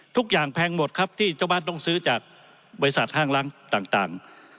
ตุ๊กอย่างแพงหมดครับที่เจ้าบ้านต้องซื้อจากบริษัทห้างรั้งต่าง